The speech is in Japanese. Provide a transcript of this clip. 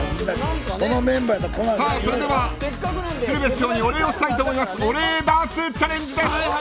それでは鶴瓶師匠にお礼をしたいと思います。